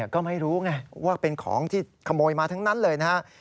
ก็ไม่รู้ไงว่าเป็นของที่ขโมยมาทั้งนั้นเลยนะครับ